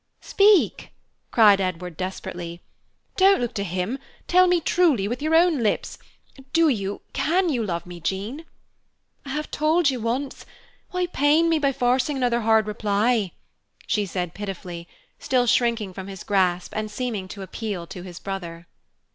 "Speak!" cried Edward, desperately. "Don't look to him, tell me truly, with your own lips, do you, can you love me, Jean?" "I have told you once. Why pain me by forcing another hard reply," she said pitifully, still shrinking from his grasp and seeming to appeal to his brother.